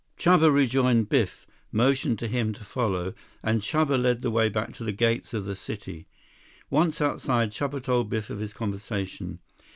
Chuba rejoined Biff, motioned to him to follow, and Chuba led the way back to the gates of the city. Once outside, Chuba told Biff of his conversation.